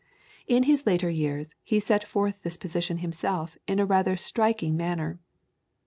In his later years he set forth this position himself in a rather striking manner.